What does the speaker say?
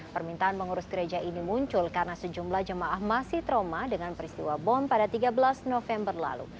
permintaan pengurus gereja ini muncul karena sejumlah jemaah masih trauma dengan peristiwa bom pada tiga belas november lalu